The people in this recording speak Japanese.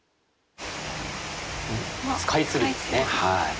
スカイツリーですね。